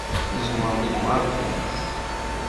Teẓwer deg uɣerbaz.